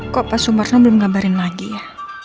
kok pak sumarno belum gambarin lagi ya